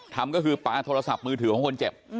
ทำก็คือปลาโทรศัพท์มือถือของคนเจ็บ